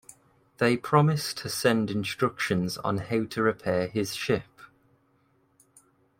They promise to send instructions on how to repair his ship.